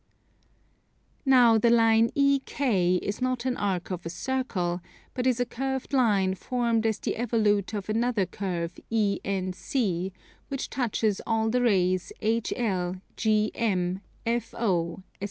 Now the line EK is not an arc of a circle, but is a curved line formed as the evolute of another curve ENC, which touches all the rays HL, GM, FO, etc.